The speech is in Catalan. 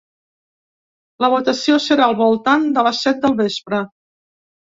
La votació serà al voltant de les set del vespre.